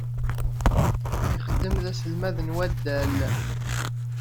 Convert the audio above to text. Yexeddem d aselmad n waddal.